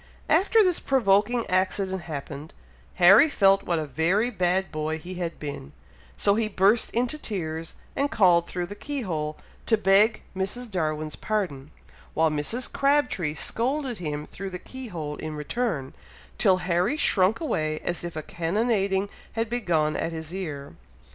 After this provoking accident happened, Harry felt what a very bad boy he had been, so he burst into tears, and called through the key hole to beg Mrs. Darwin's pardon, while Mrs. Crabtree scolded him through the key hole in return, till Harry shrunk away as if a cannonading had begun at his ear.